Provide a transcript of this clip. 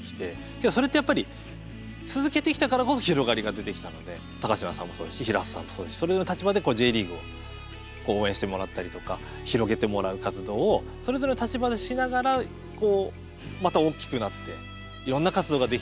けどそれってやっぱり続けてきたからこそ広がりが出てきたので高階さんもそうですし平畠さんもそうですしそれぞれの立場でＪリーグを応援してもらったりとか広げてもらう活動をそれぞれの立場でしながらこうまた大きくなっていろんな活動ができていく。